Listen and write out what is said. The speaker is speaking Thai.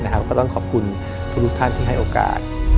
ก็ต้องขอบคุณทุกท่านที่ให้โอกาส